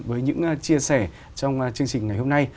với những chia sẻ trong chương trình ngày hôm nay